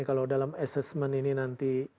kalau dalam assessment ini nanti